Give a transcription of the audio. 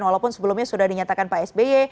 walaupun sebelumnya sudah dinyatakan pak sby